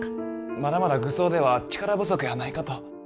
まだまだ愚僧では力不足やないかと。